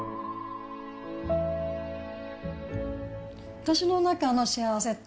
私の中の幸せって、